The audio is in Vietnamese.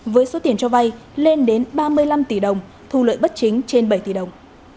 với số tiền cho vay lên đến ba mươi năm tỷ đồng thu lợi bất chính trên bảy tỷ đồng